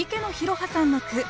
葉さんの句。